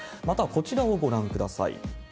また、こちらをご覧ください。